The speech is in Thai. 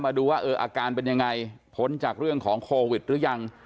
ดูว่าเอออาการเป็นยังไงพ้นจากเรื่องของโควิดหรือยัง